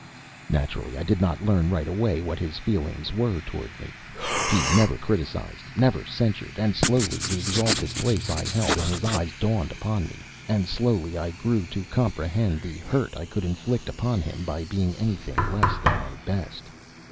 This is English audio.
Naturally, I did not learn right away what his feelings were toward me. He never criticized, never censured; and slowly the exalted place I held in his eyes dawned upon me, and slowly I grew to comprehend the hurt I could inflict upon him by being anything less than my best.